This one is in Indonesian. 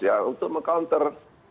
ya untuk meng counter